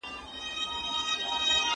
فشار د انسان فکر ستړی کوي.